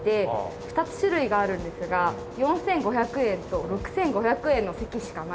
２つ種類があるんですが４５００円と６５００円の席しかない。